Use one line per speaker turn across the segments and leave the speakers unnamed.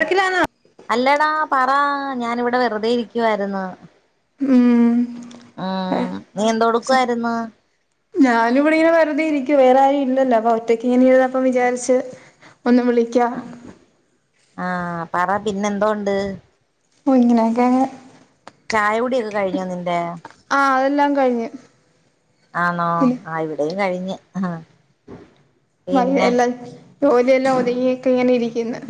തിരക്കിലാന്നോ
അല്ലടാ പറാ ഞാനിവിടെ വെറുതെ ഇരിക്കുവായിരുന്നു
ഉം
ആഹ് നീ എന്തെടുക്കായിരുന്നു
ഞാനു ഇവിടെങ്ങനെ വെറുതെ ഇരിക്കു വേറെ ആരും ഇല്ലല്ലോ അപ്പൊ ഒറ്റയ്ക്ക് ഇങ്ങനെ ഇരുന്നപ്പം വിചാരിച്ച് ഒന്ന് വിളിക്കാം
ആഹ് പറ പിന്നെ എന്തോണ്ട്
ഓഹ് ഇങ്ങനെയൊക്കെ അങ്
ചായ കുടിയൊക്കെ കഴിഞ്ഞോ നിന്റെ
ആ അതെല്ലാം കഴിഞ്ഞ്
ആണോ
പിന്നെ
ആ ഇവിടെയും കഴിഞ്ഞു ആഹ
[unintelligible] എല്ലാം ജോലിയെല്ലാം ഒതുങ്ങിയൊക്കെ ഇങ്ങനെ ഇരിക്കുന്നു.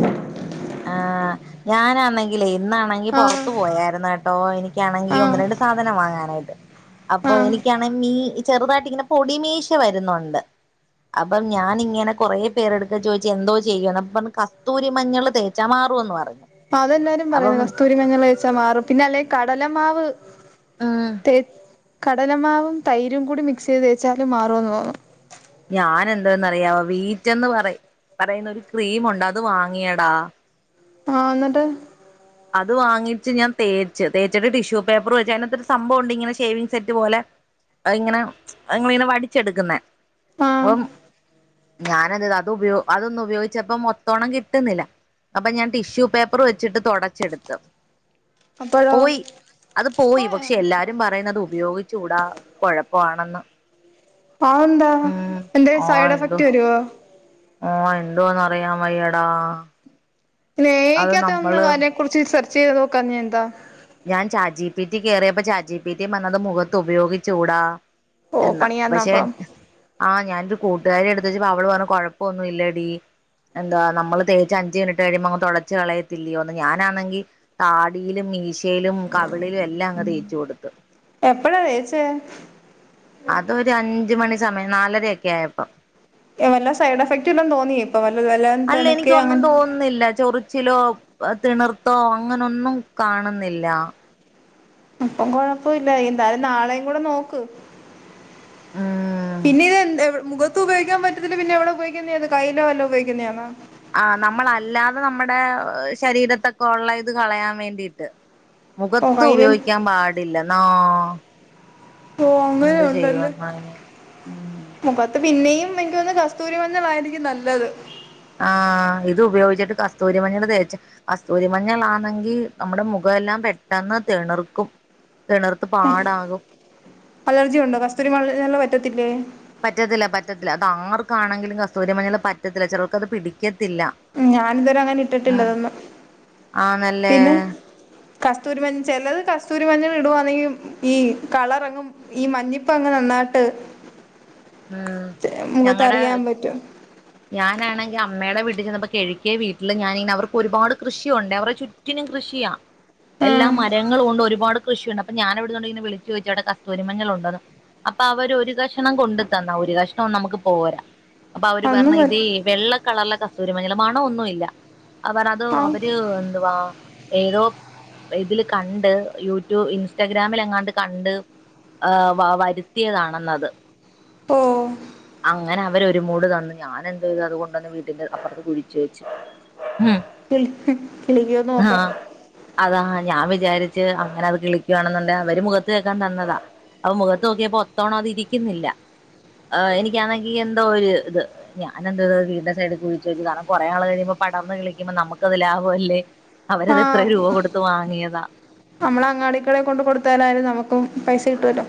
ആഹ ഞാനാന്നെങ്കിലെ ഇന്നാണെങ്കിൽ
ആ
പുറത്ത് പോയായിരുന്നു. കേട്ടോ എനിക്കാണെങ്കിൽ
ആ
ഒന്ന് രണ്ട് സാധനം വാങ്ങാനുണ്ട്.
ആ
അപ്പൊ എനിക്കാണെങ്കിൽ ചെറുതായിട്ട് ഇങ്ങനെ പൊടിമീശ വരുന്നുണ്ട്. അപ്പം ഞാനിങ്ങനെ കൊറെ പേരെടുക്കാൽ ചോദിച്ച് എന്തോ ചെയ്യണം അപ്പം പറഞ്ഞ് കസ്തൂരി മഞ്ഞൾ തേ ചമാറു എന്ന് പറയും.
അതെല്ലാരും പറയുന്നു. കസ്തൂരി മഞ്ഞൾ തേഴ്ച്ചാ മാറും പിന്നെ അല്ലെങ്കില്‍ കടല മാവ്
ഉം
[unintelligible] കടലമാവും തൈരും കൂടി മിക്സ് ചെയ്ത് തേച്ചാലും മാറുംന്ന് തോന്നുന്നു.
ഞൻ എന്തോന്ന് അറിയാവോ വീറ്റന്ന് പറയും. പറയുന്നൊരു ക്രീമുണ്ട്. അത് വാങ്ങിയടാ
ആഹ എന്നിട്ട്
അത് വാങ്ങിച്ച് ഞാൻ തേച്ച് തേച്ച്ട്ട് ടിഷ്യൂ പേപ്പർ വെച്ച് അതിനകത്തൊരു സംഭവമുണ്ട്. ഇങ്ങനെ ഷേവിങ് സെറ്റ് പോലെ അതിങ്ങനെ ഇങ്ങനെ വടിച്ചെടുക്കുന്ന
ആ
അപ്പം ഞാനത് അത് ഉപയോ അതൊന്ന് ഉപയോഗിച്ചപ്പോ മൊത്തോണം കിട്ടുന്നില്ല. അപ്പൊ ഞാൻ ടിഷ്യൂ പേപ്പർ വെച്ചിട്ട് തുടച്ചെടുത്തു.
അപ്പോഴോ
പോയി അത് പോയി.
പോയോ
പക്ഷെ എല്ലാരും പറയുന്നത് ഉപയോഗിച്ചുകൂടാ കൊഴപ്പാണെന്ന്.
ആഹ് എന്താ
ഉം
എന്തെങ്കിലും സൈഡ് എഫക്ട് വരുവോ?
ഓ ഇണ്ടോന്ന് അറിയാൻ വയ്യേടാ.
എ ഐക്ക്ത്ത് ഒന്ന് അതിനെ കുറിച്ച് സെർച്ച് ചെയ്ത് നോക്കാതത്ത് എന്താ?
ഞാൻ ചാറ്റ് ജിപിടി കയറിയപ്പോ ചാറ്റ് ജിപിടി വന്നത് മുഖത്ത് ഉപയോഗിച്ചൂടാ.
ഓ
എന്നാ
പണിയാന്നോ
പക്ഷെ
അപ്പം
ആ ഞാനൊരു കൂട്ടുകാരിയുടെ അടുത്ത് ചോദിച്ചപ്പോള്‍ അവൾ പറഞ്ഞു കൊഴപ്പമൊന്നുമില്ലടി എന്താ നമ്മള് തേച്ച് അഞ്ച് മിനിറ്റ് കഴിയുമ്പോൾ അങ് തുടച്ച്ച് കളയത്തില്ലയോന്ന് ഞാനാണെങ്കിൽ താടിയിലും മീശ കവിളിലും എല്ലാം അങ്ങ് തേച്ചു കൊടുത്ത്
എപ്പഴാ തേച്ചെ
അതൊരു അഞ്ച് മണി സമയം നാലരയൊക്കെ ആയപ്പം
വല്ല സൈഡ് എഫക്റ്റ്ല്ലാം തോന്നിയ ഇപ്പം
അല്ല എനിക്കൊന്നും തോന്നുന്നില്ല ചെറു ചിലോ തിണർത്തോ അങ്ങനെന്നും കാണുന്നില്ല
അപ്പം കൊഴപ്പമില്ല എന്തായാലും നാളെയും കൂടെ നോക്ക്
ആ
പിന്നെ ഇത് മുഖത്ത് ഉപയോഗിക്കാൻ പറ്റത്തില്ല പിന്നെ എവിടെ ഉപയോഗിക്കുന്നതാന്നിത് കയ്യിലോ വല്ലോ ഉപയോഗിക്കുന്നതാണോ
ആ നമ്മളല്ലാതെ നമ്മുടെ ശരീരത്തൊക്കെ ഉള്ള ഇത് കളയാൻ വേണ്ടിയിട്ട്
ഓ
മുഖത്ത്
കയ്യില്
ഉപയോഗിക്കാൻ പാടില്ലെന്നാ
ഓ അങ്ങനെ
എന്ത് ചെയ്യുവ
ഉണ്ടല്ലേ മുഖത്ത് പിന്നെയും എനിക്ക് വന്ന കസ്തൂരി മഞ്ഞളായിരിക്കും നല്ലത്.
ആ ഇത് ഉപയോഗിച്ചിട്ട് കസ്തൂരിമഞ്ഞൾ തേച് കസ്തൂരിമഞ്ഞൾാണെങ്കിൽ നമ്മുടെ മുഖ.. തെല്ലാം പെട്ടെന്ന് തതിണുർക്കും.
അലർജി ഉണ്ടോ കസ്തൂരി മഞ്ഞൾ പറ്റത്തില്ലേ.
പറ്റത്തില്ല പറ്റത്തില്ല അത് ആർക്കാണെങ്കിലും കസ്തൂരി മഞ്ഞൾ പറ്റത്തില്ല ചിലർക്ക് അത് പിടിക്ക..
ഞാനിതുവരെ അങ്ങനെ ഇട്ടിട്ടില്ലതൊന്നും.
ആന്നല്ലേ
പിന്നെ കസ്തൂരിമഞ് ചിലത്. കസ്തൂരി മഞ്ഞൾ ഇടുവാവാണെങ്കും ഈ കളർങ്ങ് ഈ മഞ്ഞിപ്പ അങ്ങ് നന്നായിട്ട്. ഉ
ഉം ഞങ്ങളടെ
പറ്റും
ഞാനാണെങ്കിൽ അമ്മയുടെ വീട്ടിൽ ചെന്നപ്പോ. കിഴ കേ വീട്ടില് ഞാൻ ന്ന്അവർക്ക് ഒരുപാട് കൃഷിയുണ്ട് അവരുടെ ചുറ്റിനും കൃഷിയാ. എല്ലാ
ആഹ്
മരങ്ങളും കൊണ്ട് ഒരുപാട് കൃഷിയുണ്ട് അപ്പൊ ഞാൻ എവിടുുന്നുണ്ട ഇെ വിളിച്ച ചോച്ചവിടെ കസ്തൂരിമങ്ങൾ ഉണ്ടന്ന്. അപ്പൊ അവര് ഒരു കക്ഷണം കൊണ്ട.. ന്ന ഒരു കഷ്ണം ഒന്നും നമുക്ക് പോരാ അപ്പൊ അവര്
അന്നും
പറഞ്ഞ
പ
ഇത വെള്ള കളറിലൊ.. സൂരുമനലമാണോ ഒന്നും ഇല്ല അവർ അത്
ആഹ്
അവര് എന്ത് വാ. ഏതോ ഇതില് കണ്ട് യൂട്യൂബ് ഇൻസ്റ്റാഗ്രാമിൽ എങ്ങാണ്ട് കണ്ട്. ആ വരുത്തിയതാണെന്നത്.
ഓ
അങ്ങനെ അവര് ഒരുമൂട് തന്നേ ഞാൻ എന്ത് ചെയ്തു അതുകണ്ടന്ന് വീട്ടിന്റെ അപ്പുറത്ത് കുഴിച്ചു വെച്ച്. ഉം
കിളി കിളിക്കോന്ന്
ആഹ
നോക്കാം
അത ഞാൻ വിചാരിച്ചച്ച് അങ്ങനെ അത് കിളിക്കുകണെന്നുണ്ട അവര് മുഖത്ത് തേക്കാൻതന്നതാ. അത് മുഖത്ത് നോക്കിയപ്പോ ഒത്തവണം അതിരിക്കുന്നില്ല. ആ എിക്കാണെങ്കിൽ എന്തോ ഒരു ഇത് ഞാനെന്തോ ഇ വീടിന്റെ സൈഡിൽ കുഴിച്ചച്ച് വെച്ചു കാരണം കൊറെ ആൾ കഴിയുമ്പോ. പടർന്ന് കളിക്കുമ്പോ നമുക്കത് ലാഭം അല്ലേ അവരത് എത്ര
ആഹ്
രൂപ കൊടുത്ത് വാങ്ങിയതാ.
നമ്മളെ അങ്ങാടിക്കള കൊണ്ട് കൊടുത്താലും നമുക്ക് പൈസ കിട്ടുവല്ലോ.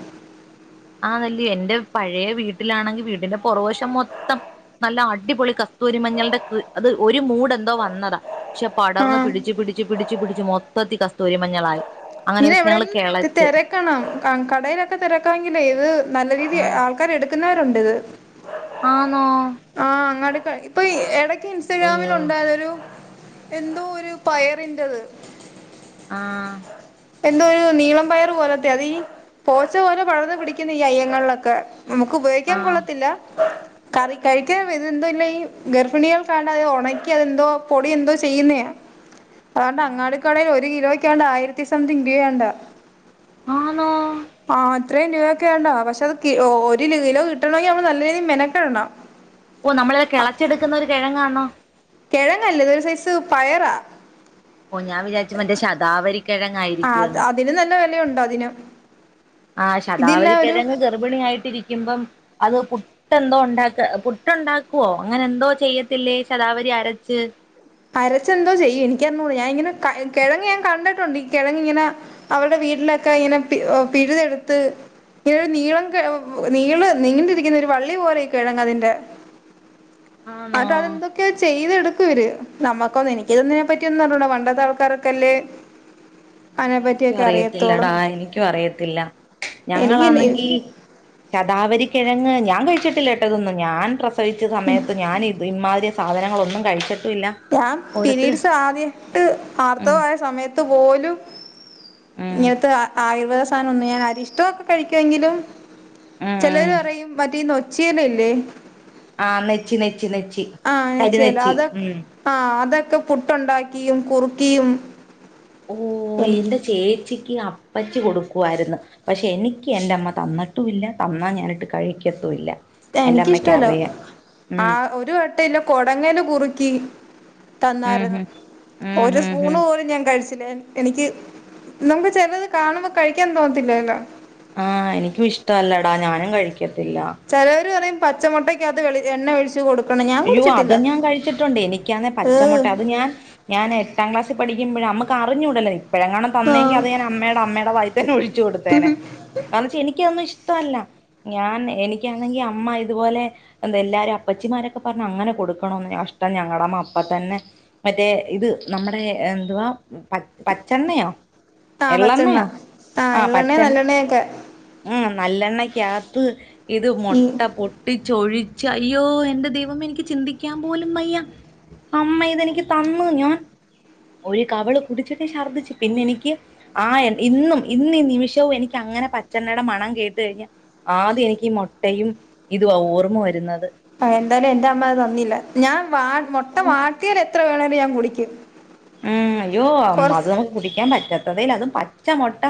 ആ നല്ലയ എൻറെ പഴയ വീട്ടിലാണെങ്കി വീടിന്റെ പുറവശം മൊത്തം. നല്ല അടിപൊളി കസ്തൂരിമഞ്ഞളിന്റെ അത് ഒരു മൂട് എന്തോ വന്നതാ പക്ഷെ പടർന്ന്
ആഹ്
പിടിിച്ചച്ച് പിടി.. പി പിിച്ച പിച്ചച്ച് മൊത്തത്തി കസ്തൂരി മഞ്ഞളായി അങ്ങനെ..
ഇങ്ങനെ
ഞങ്ങള്
എവിടെലും
കിളച്ച്
തിരക്കണം കടയിലൊക്കെ തിരക്കാമെങ്കിലേ ഇത് നല്ല രീതി ആൾക്കർ എടു.. നിക്കുന്നവരുണ്ട് ഇത്
ആണോ
ആഹ് അങ്ങാട് ഇപ്പൊ ഇടയ്ക്ക് ഇൻസ്റ്റഗ്രാമിൽ ഉണ്ടാലൊരു.. എന്തോ ഒരു പയറിന്റത്.
ആഹ
എന്തോ ഒരു നീളം പയർ പോലത്തെെയ അതേഈ പോച്ച പോലെ പഴർന്ന പിടിക്കുന്നു ഈ അയ്യങ്ങളിലൊക്കെ. നമുക്ക് ഉപയോഗിക്കാൻ
ആഹ്
കൊള്ളത്തില്ല കറി
ആഹ്
കഴിക്കാൻ എന്തല്ല ഈ. ഗർഭിണികൾ കാണ്ട് അത് ഉണക്കി അതെന്തോ പൊടി എന്തോ ചെയ്യുന്നാ. അതണ്ട് അങ്ങാട
ആഹ്
കടയിൽ ഒരു കിലോയ്ക്കാണ്ട് ആയിരത്തി സംതിങ് രൂപയാണ്ട.
ആനോ
ഇത്രയും രൂപയൊക്കെ വണ്ടോ പക്ഷെ അത് ഒരു കിലോ കിട്ടണമെങ്കിൽ നമ്മള് നല്ല രീതിയിൽ മെനക്കെടണം.
ആണ
കിഴങ്ങല്ലേത് ഒരു സൈസ് പയറാ.
ഓ ഞാൻ വിചാരിച് മറ്റേ ശതാാവ
ആ അത്
കിഴങ്ങായിരിക്കുവന്ന്.
അതിന് നല്ല വിലയുണ്ട് അതിന്
ആ
ഇതില്ല ഒരു
ശതാവിക്കിഴങ്ങ് ഗർഭിണി ആായിട്ടിരിക്കുമ്പം. അത് പുട്ടെന്തോ ഉണ്ടാക്ക പുട്ടുണ്ടാക്കുവോ അങ്ങനെ എന്തോ ചെയ്യത്തില്ലേ ശതാാവരി അരച്ച്. ഉ
അരച്ചെന്തോ ചെയ്യും എനിക്കറിഞ്ഞോളൂ ഞാാന് ഇങ്ങനെ കിഴങ്ങ് ഞാൻ കണ്ടിട്ടുണ്ട് ഈ കിഴ ഇങ്ങനെ അവടെ വീട്ടിലൊക്കെ ഇങ്ങനെ പിഴുതെടുത്ത് ഇങ്ങനരു നീളം നീള് നീണ്ടിരിക്കുന്ന ഒരു വള്ളി പോലെ കിഴങ്ങ അതിന്റെ
ആന്നോ
അത് അതെന്തൊക്കെയ ചെയ്തെടുക്കും ഇവര്. നമ്മക്കൊന്ന് എനിക്കിതൊന്നിനെ പറ്റിയൊന്നും അറിഞ്ഞുടാ പണ്ടത്തെ ആൾക്കാരൊക്കെല്ലേ
ആ എനിക്കും അറിയത്തില്ലടാ എനിക്കും അറിയത്തില്ല
എനിക്ക്
ഞങ്ങളാണെങ്കിൽ ശതാവരിക്കിഴ ങ്ങ് ഞാൻ കഴിച്ചിട്ടില്ലേട്ടോ ഇതൊന്നു ഞാൻ പ്രസവിച്ച സമയത്ത് ഞാൻ ഇമാതിരി സാധനങ്ങളൊന്നും കഴിച്ചി
ഞാൻ പിരീഡ്സ് ആദ്യട്ട്
ഉം
ആർത്തവയ സമയത്ത് പോലും
ഉം
ഇങ്ങനത്തെ ആയുർവേദ സാധനം ഒന്നും ഞാൻ അരിഷ്ടമൊക്കെ കഴിക്കുമെങ്കിലും
ഉം
ചിലര് അറയും മറ്റേ ഈ നോച്ചിയിലല്ലേ
ആ നെച്ചി നെച്ചി നെച്ചി
ആ നെച്ചില
കരിനെച്ചി
അതൊ
ഉം
ആ അതൊക്കെ പുട്ടുണ്ടാക്കിയും കുറുക്കിയും
ഓ
എനിക്ക്
എന്റെ ചേച്ചി എനിക്ക് അപ്പച്ചി കൊടുക്കുമായിരുന്നു പക്ഷെ എനിക്ക് എന്റെ അമ്മ തന്നിട്ടുമില്ല തന്നാൽ ഞാനിട്ട് കഴിക്കത്തുമില്ല എന്റെ അമ്മയ്ക്ക്
എനിക്കിഷ്ടല്ല
അറിയാം
ആ
ഉം
ഒരു വെട്ടം ഇല്ല കൊടങ്ങല് കുറുക്കി
ഉം
തന്നായിരുന്നു
ഉം
ഒരു
ഉം ഉം
സ്പൂൺ
ഉം
പോലും ഞാൻ കഴിച്ച എനിക്ക് നമുക്ക് ചെലത് കാണുമ്പോ കഴിക്കാൻ തോന്നത്തില്ലല്ലോ
ആ എനിക്കും ഇഷ്ടല്ലടാ ഞാനും കഴിക്കും
ചിലവരു പറയും പച്ചമുട്ടക്കാത് വെളി എണ്ണ ഒഴിച്ച് കൊടുക്കു
അയ്യോ അത് ഞാൻ കഴിച്ചിട്ടുണ്ട് എനിക്കാന്നേ
ഏഹ്
പച്ചമുട്ട അത് ഞാൻ ഞാൻ എട്ടാം ക്ലാസ് പഠിക്കുമ്പോഴ നമുക്ക് അറിഞ്ഞൂടല്ലേ ഇപ്പോഴെങ്ങാണം തന്നെങ്കിൽ
ആഹ്
അത് ഞാൻ അമ്മടെ അമ്മടെ വായി തന്നെ ഒഴിച്ചു കൊടുത്തെനെ കാരണം വെച്ചാ എനിക്കന്നും ഇ ടല്ല ഞാൻ എനിക്കാണെങ്കിൽ അമ്മ ഇതുപോലെ എല്ലാരും അപ്പച്ചിമാരു പറഞ്ഞ് അങ്ങനെ കൊടുക്കണന്ന് കഷ്ടം ഞങ്ങളടാമ്മ അപ്പ തന്നെ മറ്റേ ഇത് നമ്മുടെ എന്തുവാ പച്ചെണ്ണയോ
ആഹ് പച്ചെണ്ണ
എള്ളണ്ണയോ
ആഹ്
ആ
എള്ളെണ്ണ
പച്ചണ്ണ
നല്ലെണ്ണയൊക്കെ
ഉം നല്ലെണ്ണക്കാത്ത് ഇത്
ഈ
മൊട്ട പൊട്ടിച്ചൊഴിച്ച് അയ്യോ എന്റെ ദൈ വമേ എനിക്ക് ചിന്തിക്കാൻ പോലും വയ്യ അമ്മ ഇതെനിക്ക് തന്നു ഞാൻ ഒരു കവള് കുടിച്ചിട്ട് ഛർദ്ദിച്ചു പിന്നെ എനിക്ക് ആ ഇന്നും ഇന്ന് നിമിഷവും എനിക്ക് അങ്ങനെ പച്ചെണ്ണയുടെ മണം കേട്ട കഴിഞ്ഞാൽ ആദ്യം എനിക്ക് മുട്ടയും ഇത് ഓർമ്മ വരുന്നത്
ആ എന്തായാലും എന്റെ അമ്മത് നന്നില്ല ഞാൻ മൊട്ട
ഉം
വാട്ടിയൽ എത്ര വേണേലും ഞാൻ കുടിക്കും
ഉം അയ്യോ അ അത്
കൊറച്ച്
നമക്ക് കുടിക്കാൻ പറ്റാത്തതേയില്ല പച്ച മോട്ട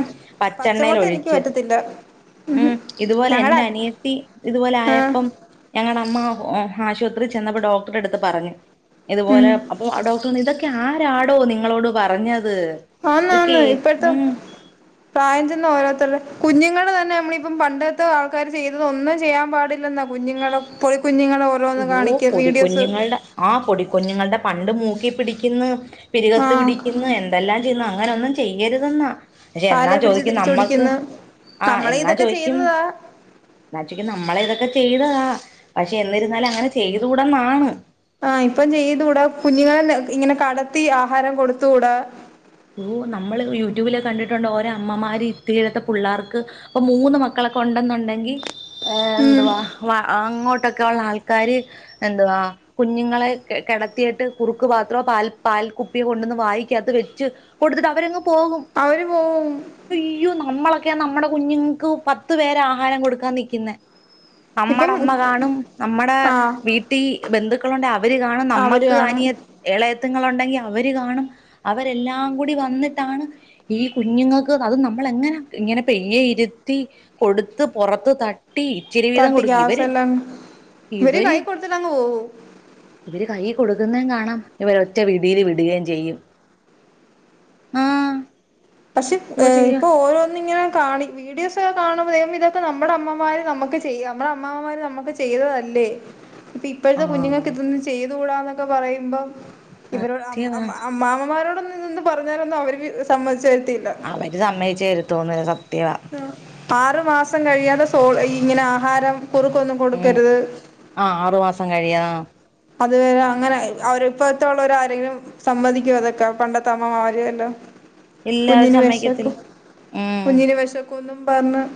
പച്ചെണ്ണൽ
പച്ചമൊട്ട എനിക്ക്
ഒഴിച്ച്
പറ്റത്തില്ല മ്ഹും
ഉം ഇതുപോലെ
ഞങ്ങടെ
എന്റെ അനിയത്തി ഇതുപോലെ
ആഹ്
ആയപ്പം ഞങ്ങളുടെ അമ്മ ഓ ആശുപത്രിയിൽ ചെന്നപ്പോ ഡോക്ടറെടുത്ത് പറഞ്ഞു ഇതുപോലെ
ഉം
അപ്പൊ ഡോക്ടർ ഇതൊക്കെ ആ ആരാടോ നിങ്ങളോട് പറഞ്ഞ
അന്ന് അന്ന് ഇപ്പോഴത്തെ പ്രായം ചെന്ന ഓരോരുത്തരുടെ കുഞ്ഞുങ്ങള് തന്നെ നമ്മളിപ്പം പണ്ടത്തെ ആൾക്കാര് ചെയ്തത് ഒന്നും ചെയ്യാൻ പാടില്ലെന്നാ കുഞ്ഞുങ്ങളെ കുഞ്ഞുങ്ങളെ ഓരോന്ന്
അയ്യോ
കാണിക്ക വീഡിയോസ്
പൊടിക്കുഞ്ഞുങ്ങളുടെ ആ പൊടിക്കുഞ്ഞുങ്ങളുടെ പണ്ട് മൂക്കി പിടിക്കുന്ന്. പിരികത്ത്
ആഹ്
പിടിക്കുന്നു. എന്തെല്ലാം ചെയ്യുന്നു അങ്ങനെ ഒന്നും ചെയ്യരുതെന്നാ. പക്ഷെ എന്നാ
കാലേ പിടിച്ച്
ചോദിക്കും നമ്മക്ക്
തിരിച്ചോടിക്കുന്ന്
ആഹ്
നമ്മള്
എന്നാ
ഇതൊക്കെ
ചോദിക്കും
ചെയ്തതാ
എന്നാ ചോയിക്കും നമ്മളെ ഇതൊക്കെ ചെയ്തതാ പക്ഷെ എന്നിരുന്നാലും അങ്ങനെ ചെയ്തൂടന്നാണ്.
ആഹ് ഇപ്പം ചെയ്തുകൂടാ കുഞ്ഞുങ്ങളെ ഇങ്ങനെ കടത്തി ആഹാരം കൊടുത്തുകൂടാ,
ഓഹ് നമ്മള് യൂട്യൂബിലോക്കെ കണ്ടിട്ടുണ്ടോ ഓരോ അമ്മമാര് ഇത്തിരി ഇല്ലാത്ത പിള്ളേർക്ക് അപ്പൊ മൂന്ന് മക്കള ക്കൊണ്ടെന്നുണ്ടെങ്കിൽ ഏഹ്
ഉം
എന്തുവാ വ അങ്ങോട്ടൊ ക്കൊള്ള ആൾക്കാര് എന്തുവാ കുഞ്ഞുങ്ങളെ കെ കെടത്തിയിട്ട് കുറുക്ക് പാത്രോ പാൽ പാൽ കുപ്പിയെ കൊണ്ട്ന്ന് വായിക്കാത്ത് വെച്ച് കൊടുത്തിട്ട് അവരങ്ങ് പോകും
അവര് പോവും
അയ്യോ നമ്മളെ ക്കെ നമ്മുടെ കുഞ്ഞുങ്ങക്ക് പത്ത് പേരാ ആഹാരം കൊടുക്കാൻ നിക്കുന്നേ.
ഇപ്പം
നമ്മുടെ അമ്മ കാണും, നമ്മുടെ
ആഹ്
വീട്ടിൽ ബന്ധുക്കളുണ്ടേ അവര് കാണും,
അവര്
നമ്മക്ക്
കാണും
അനി യൻ ഇളയത്തുങ്ങൾ ഉണ്ടെങ്കിൽ അവര് കാണും, അവരെല്ലാം കൂടി വന്നിട്ടാണ് ഈ കുഞ്ഞുങ്ങൾക്ക് അത് നമ്മള് എങ്ങനെ ഇങ്ങനെ പയ്യെയിരുത്തി കൊടുത്ത് പുറത്ത് ത ട്ടി ഇച്ചിരി വീതം
തട്ടി
കൊടുക്കും ഇവര്
ഗ്യാസെല്ലാം
ഇവര്
കൈ കൊടുത്തിട്ടങ്ങ് പോവും
ഇവര് കൈയ്യി കൊടുക്കുന്നേം കാണാം ഇവരൊറ്റ വിടിയില് വിടുകേം ചെയ്യും. ആഹ്
പക്ഷെ
ഓ
ഏഹ്
ചെയ്യ
ഇപ്പൊ ഓരോന്നും ഇങ്ങനെ കാണി വീഡിയോസ് കാണുമ്പോ ദൈവമേ ഇതൊക്കെ നമ്മുടെ അമ്മമാര് നമ്മുക്ക് ചെയ്യ നമ്മടെ അമ്മാമാര് നമ്മുക്ക് ചെയ്തതല്ലേ? ഇപ്പ ഇപ്പോഴത്തെ കുഞ്ഞുങ്ങൾക്ക്
ആഹ്
ഇതൊന്ന് ചെയ്തുകൂടാന്നൊക്കെ പറയുമ്പോം, ഇവരോട് അം
സത്യവാ
അം അമ്മാമാരോടൊന്നും ഇതൊന്ന് പറഞ്ഞാലൊന്നും അവര് വ് സമ്മതിച്ച് ത
അവര് സമ്മയിച്ചു തരുത്തോന്നില്ല സത്യവാ
[inaudible] ആറു മാസം കഴിയാതെ സോ ഇങ്ങനെ ആഹാരം കുറുക്കൊന്നും
ഉം
കൊടുക്കരുത്.
ആഹ് ആറു മാസം കഴിയാ
അതുവരെ അങ്ങനെ അവര് ഇപ്പഴത്ത ഉള്ളവര് ആരെങ്കിലും സമ്മതിക്കോ അതൊക്കെ പണ്ടത്ത അമ്മമാര് എല്ലാം.
ഇല്ല അവര്
കുഞ്ഞിനു
സമ്മയിക്കത്തില്ല
വെശക്കും
ഉം
കുഞ്ഞിനു വെശക്കൂന്നും പറഞ്ഞ് -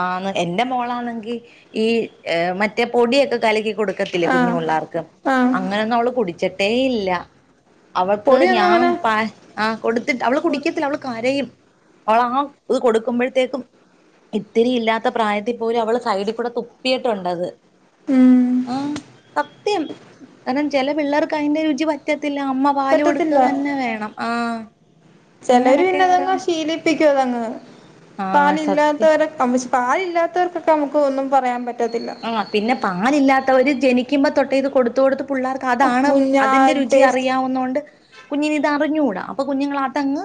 ആന്ന് എന്റെ മോളാണെങ്കി ഈ മറ്റേ പൊടിയൊക്കെ കലക്കി- കൊടുക്കത്തില്ലേ കുഞ്ഞു
ആഹ്
പുള്ളാർക്ക്
ആഹ്
അങ്ങനൊന്നും അവള് കുടിച്ചിട്ടേ ഇല്ല- അവൾക്ക്
പൊടിയൊന്നും
ഞാൻ
അങ്ങനെ
പ ആഹ് കൊടുത്തിട്ട് അവള്
കൊടു
കുടിക്കത്തില്ല അവള് കരയും- അവളാ ഇത് കൊടുക്കുമ്പഴ്ത്തേക്കും- ഇത്തിരി ഇല്ലാത്ത പ്രായത്തി പോലും അവള് സൈഡിക്കുടെ തുപ്പിയിട്ടുണ്ടത്-
ഉം
ആഹ് സത്യം കാരണം ചില പിള്ളേർക്ക് അതിന്റെ രുചി പറ്റത് ത്തില്ല അമ്മ പാല്
പറ്റത്തില്ല
കൊടുക്ക്ക തന്നെ വേണം ആഹ് -
ചെലര് പിന്നതങ്ങ് ശീലിപ്പിക്കും അതങ്ങ്
ആ
പാല്
സത്യം
ഇല്ലാത്തവരെ - പാലില്ലാത്തവർക്കൊക്കെ നമുക്ക് ഒന്നും പറയാൻ പറ്റ്
ആഹ് പിന്നെ പലില്ലാത്തവര് ജനിക്കുമ്പോ തൊട്ടേ ഇത് കൊടുത്ത് കൊടുത്ത്- പുള്ളാർക്ക് അതാണ്
കുഞ്ഞാ
അതിൻ്റെ രുചി
ടേസ്റ്റ്
അറിയാവുന്നോണ്ട്- കുഞ്ഞിന് ഇത് അറിഞ്ഞൂടാ അപ്പൊ കുഞ്ഞുങ്ങളതങ്ങ്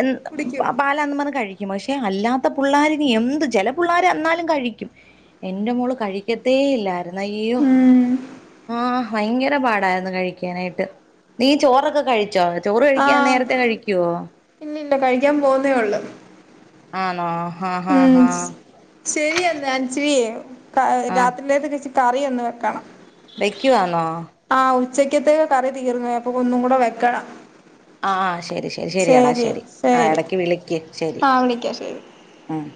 എന്ത്
കുടിക്കും
പാലാന്ന് പറഞ്ഞ് കഴിക്കും- പക്ഷെ അല്ലാത്ത പുള്ളാരിന് എന്ത് ചെല പുള്ളാര് എന്നാലും കഴിക്കും എന്റെ മോള് ക കഴിക്കത്തേ ഇല്ലാര്ന്ന് അയ്യോ
ഉം
ആഹ് - ഭയങ്കര പാടായിരുന്നു കഴിക്കാനായിട്ട് നീ ചോറൊക്കെ കഴിച്ചോ? ചോറ് കഴിക്കാൻ
ആഹ്
നേരത്തെ കഴിക്കുവോ
ഇല്ലില്ല കഴിക്കാൻ പോവുന്നേ ഒള്ളു
ആന്നോ-
ഉം ശരിയെന്നാ ചെയ്യ് ക
ആഹ്
രാത്രിയിലേക്ക്ഒര് ഇച്ചി - കറി ഒന്ന് വെക്കണം-
വെയ്ക്കവാന്നോ-
ആഹ് ഉച്ചക്കത്തേക്ക് കറി തീർന്ന്പോയ് അപ്പൊ ഒന്നും കൂടെ വെക്കണം-
ആഹ് ശരി ശരി ശെരിയടാ ശെരി ആ എടക്ക് വിളിക്ക് ശരി-
ആഹ് വിളിക്കാം ശരി
ആഹ് -